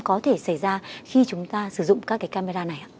có thể xảy ra khi chúng ta sử dụng các camera này